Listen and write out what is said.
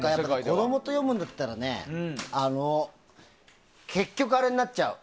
子供と読むんだったら結局あれになっちゃう。